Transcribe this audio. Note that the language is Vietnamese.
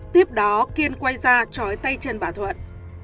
tiếp đó kiên quay ra chói tay chân bà thuận